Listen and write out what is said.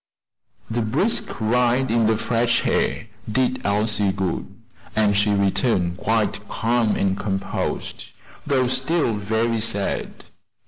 The brisk ride in the fresh air did Elsie good, and she returned quite calm and composed, though still very sad.